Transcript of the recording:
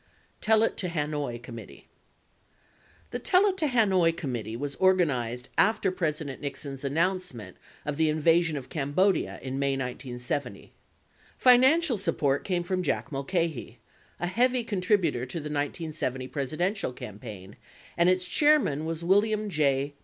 Tell It To Hanoi Committee The "Tell It To Hanoi Committee" was organized after President Nixon's announcement of the invasion of Cambodia in May 1970. Fi nancial support came from Jack Mulcahy, a heavy contributor to the 1970 Presidential campaign and its chairman was William J.